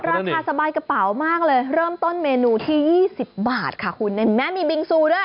ราคาสบายกระเป๋ามากเลยเริ่มต้นเมนูที่๒๐บาทค่ะคุณเห็นไหมมีบิงซูด้วย